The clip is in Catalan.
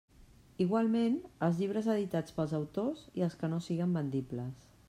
Igualment, els llibres editats pels autors i els que no siguen vendibles.